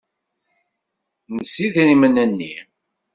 Nnes yidrimen-nni.